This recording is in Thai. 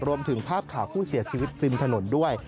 รวมถึงภาพข่าวผู้เสียชีวิตริมถนนด้วย